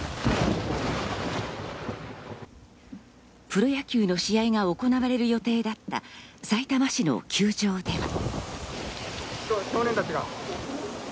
プロ野球の試合が行われる予定だった、さいたま市の球場では。